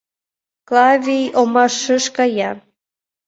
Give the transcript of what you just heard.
Клавий омашыш кая.